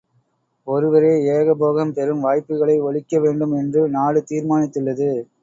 ஒருவரே ஏக போகம் பெறும் வாய்ப்புகளை ஒழிக்க வேண்டும் என்று நாடு தீர்மானித்துள்ளது.